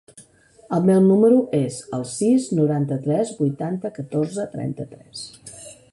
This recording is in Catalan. El meu número es el sis, noranta-tres, vuitanta, catorze, trenta-tres.